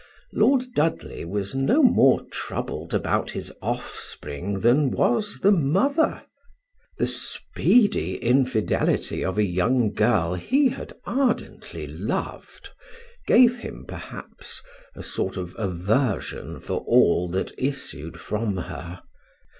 Lord Dudley was no more troubled about his offspring than was the mother, the speedy infidelity of a young girl he had ardently loved gave him, perhaps, a sort of aversion for all that issued from her.